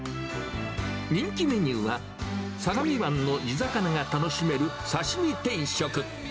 人気メニューは、相模湾の地魚が楽しめる刺身定食。